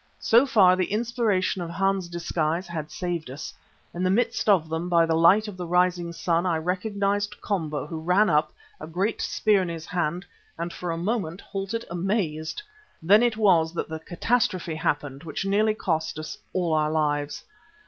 So far the inspiration of Hans' disguise had saved us. In the midst of them, by the light of the rising sun, I recognised Komba, who ran up, a great spear in his hand, and for a moment halted amazed. Then it was that the catastrophe happened which nearly cost us all our lives.